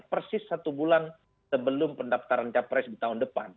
persis satu bulan sebelum pendaftaran capres di tahun depan